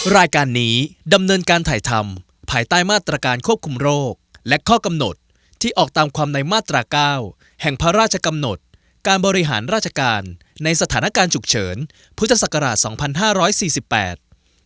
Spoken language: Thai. รายการนี้ดำเนินการถ่ายทำภายใต้มาตรการควบคุมโรคและข้อกำหนดที่ออกตามความในมาตราเก้าแห่งพระราชกำหนดการบริหารราชการในสถานการณ์ฉุกเฉินพุทธศักราชสองพันห้าร้อยสี่สิบแปด